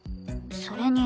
それに。